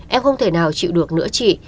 em không thể nào chịu được nữa chị